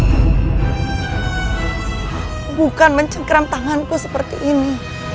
bukan mencengkram tanganku seperti ini